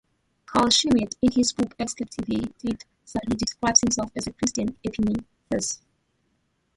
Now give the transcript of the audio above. Carl Schmitt, in his book "Ex captivitate salus" describes himself as a "Christian Epimetheus".